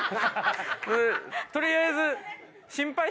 取りあえず。